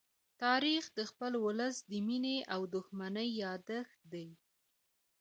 تاریخ د خپل ولس د مینې او دښمنۍ يادښت دی.